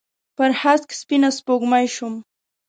پر هسک سپینه سپوږمۍ شوم